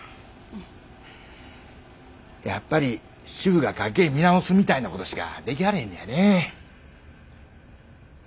やっぱり主婦が家計見直すみたいなことしかできはれへんのやねぇ。